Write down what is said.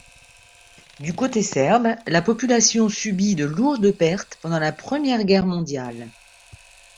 Du côté serbe, la population subit de lourdes pertes pendant la Première Guerre mondiale.